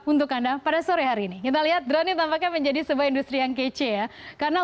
untuk anda pada sore hari ini kita lihat drone tampaknya menjadi sebuah industri yang kece ya karena